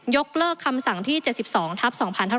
ยกเลิกคำสั่งที่๗๒ทัพ๒๕๕๙